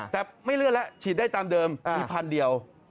แต่ไม่เลื่อนแล้วฉีดได้ตามเดิมมีพันเดียว